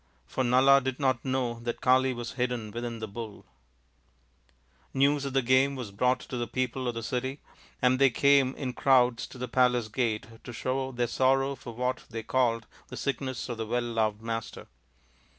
For Nala did not know that Kali was hidden within the " Bull "! News of the game was brought to the people of the city, and they came in crowds to the palace gate to show their sorrow for what they called the sickness of the well loved master.